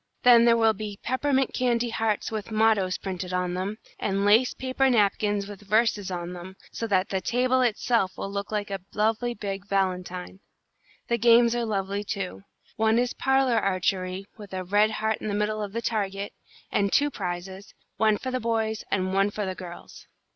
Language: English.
Then there will be peppermint candy hearts with mottoes printed on them, and lace paper napkins with verses on them, so that the table itself will look like a lovely big valentine. The games are lovely, too. One is parlour archery, with a red heart in the middle of the target, and two prizes, one for the boys and one for the girls."